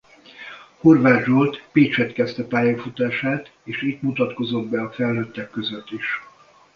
Horváth Zsolt Pécsett kezdte pályafutását és itt mutatkozott be a felnőttek között is.